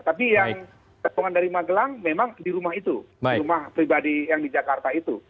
tapi yang terpongan dari magelang memang di rumah itu di rumah pribadi yang di jakarta itu